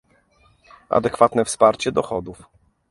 adekwatne wsparcie dochodów